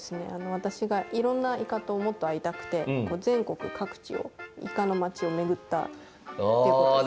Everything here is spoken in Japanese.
私がいろんなイカともっと会いたくて全国各地をイカの町を巡ったってことですね。